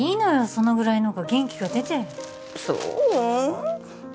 そのぐらいのほうが元気が出てそう？